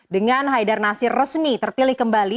dengan haidar nasir resmi terpilih kembali